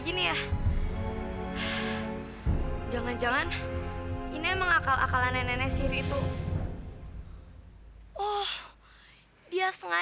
anda harus harus mengambil al bearing